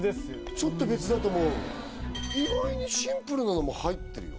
ちょっと別だと思う意外にシンプルなのも入ってるよ